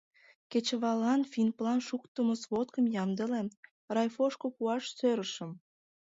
Кечываллан финплан шуктымо сводкым ямдыле; райфошко пуаш сӧрышым.